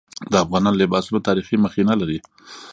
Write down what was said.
د افغانانو لباسونه تاریخي مخینه لري.